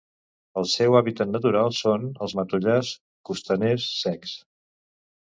El seu hàbitat natural són els matollars costaners secs.